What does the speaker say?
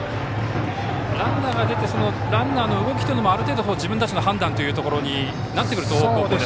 ランナーが出てそのランナーの動きというのもある程度、自分たちの判断になってくるでしょうか東北高校は。